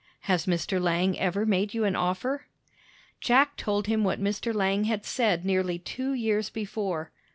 "Has Mr. Lang ever made you an offer?" Jack told him what Mr. Lang had said nearly two years before.